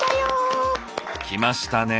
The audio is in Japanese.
きましたね。